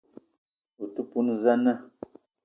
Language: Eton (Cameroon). O te poun za na?